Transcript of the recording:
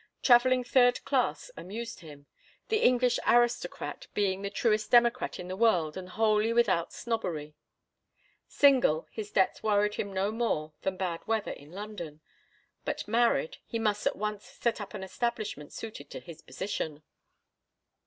Travelling third class amused him, the English aristocrat being the truest democrat in the world and wholly without snobbery. Single, his debts worried him no more than bad weather in London; but married, he must at once set up an establishment suited to his position.